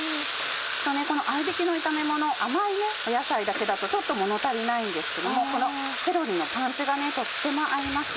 この合びきの炒めもの甘い野菜だけだとちょっと物足りないんですけどこのセロリのパンチがとっても合います。